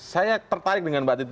saya tertarik dengan mbak titi